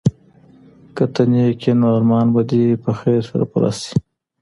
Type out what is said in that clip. که ته نېک یې نو ارمان به دي په خیر سره پوره سي.